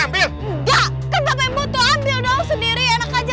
ambil doang sendiri